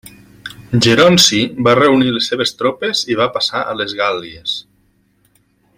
Geronci va reunir les seves tropes i va passar a les Gàl·lies.